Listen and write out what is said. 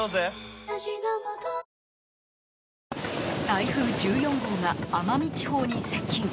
台風１４号が奄美地方に接近。